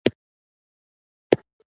خلکو کولای شول ډالر تر لاسه کړي.